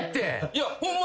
いやホンマ